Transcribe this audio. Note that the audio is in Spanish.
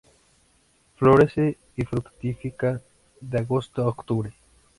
Florece y fructifica de agosto a octubre.